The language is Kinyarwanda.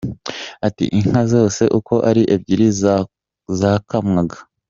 Ati “Inka zose uko ari ebyiri zakamwaga.